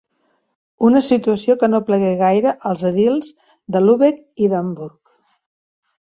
Una situació que no plagué gaire als edils de Lübeck i d'Hamburg.